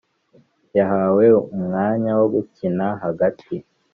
yahawe umwanya wo gukina hagati